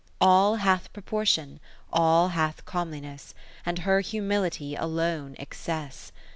All hath proportion, all hath come liness, And her Humility alone excess.